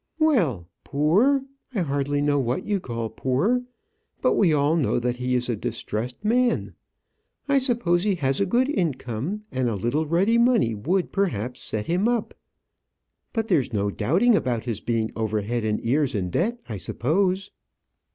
"Well; poor! I hardly know what you call poor. But we all know that he is a distressed man. I suppose he has a good income, and a little ready money would, perhaps, set him up; but there's no doubt about his being over head and ears in debt, I suppose."